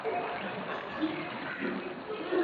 Mapishi mbalimbali yanaweza kutokana na viazi lishe